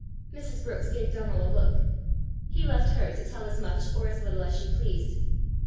Mrs. Brookes gave Donal a look: he left her to tell as much or as little as she pleased.